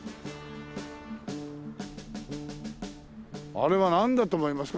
あれはなんだと思いますか？